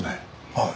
はい。